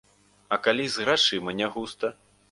А калі з грашыма нягуста?